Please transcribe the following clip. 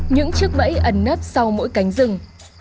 những chiếc bẫy ẩn nấp sau mỗi cánh rừng